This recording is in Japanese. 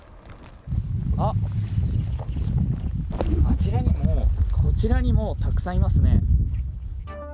あっ、あちらにも、こちらにもたくさんいますね。